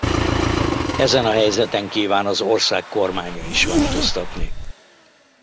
Ezen a helyzeten kíván az ország kormánya is változtatni.